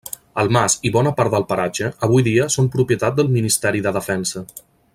El mas i bona part del paratge avui dia són propietat del Ministeri de Defensa.